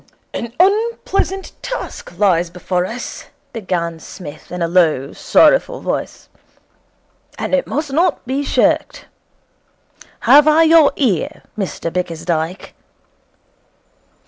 'An unpleasant task lies before us,' began Psmith in a low, sorrowful voice, 'and it must not be shirked. Have I your ear, Mr Bickersdyke?'